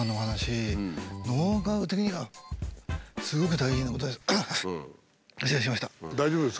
大丈夫です。